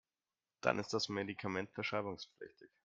Dann ist das Medikament verschreibungspflichtig.